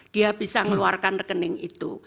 dia bisa mengeluarkan rekening itu